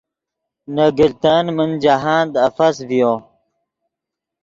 نے گلتن من جاہند افس ڤیو